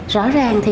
rõ ràng thì